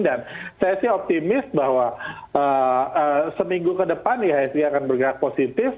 dan saya sih optimis bahwa seminggu ke depan ihsg akan bergerak positif